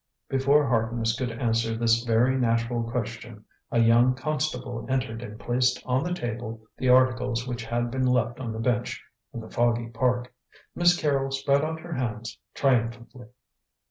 Before Harkness could answer this very natural question, a young constable entered and placed on the table the articles which had been left on the bench in the foggy Park. Miss Carrol spread out her hands triumphantly.